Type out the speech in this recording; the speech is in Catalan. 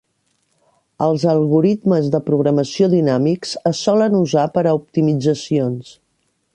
Els algoritmes de programació dinàmics es solen usar per a optimitzacions.